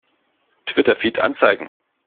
Twitter-Feed anzeigen!